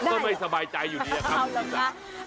ก็ไม่สบายใจอยู่ดีครับคุณชิสา